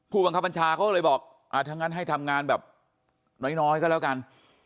ผู้บังคับบัญชาเขาก็เลยบอกถ้างั้นให้ทำงานแบบน้อยก็แล้วกัน